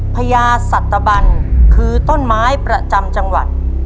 พญาสัตบันคือต้นไม้ประจำจังหวัด